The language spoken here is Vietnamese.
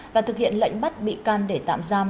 và thực hiện lệnh bắt bị can để tạm giam